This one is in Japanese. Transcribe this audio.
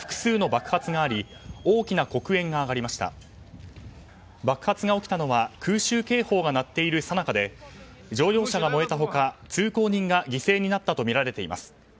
爆発が起きたのは空襲警報が鳴っているさなかで乗用車が燃えた他、通行人が犠牲になったとみられています。